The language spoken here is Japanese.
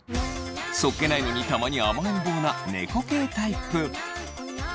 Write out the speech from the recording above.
そっけないのにたまに甘えん坊な猫系タイプ。